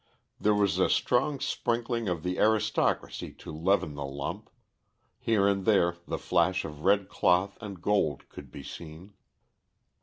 There was a strong sprinkling of the aristocracy to leaven the lump; here and there the flash of red cloth and gold could be seen.